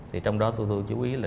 thì trong đó tôi chú ý là